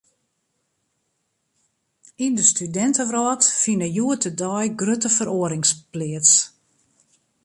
Yn de studintewrâld fine hjoed-de-dei grutte feroarings pleats.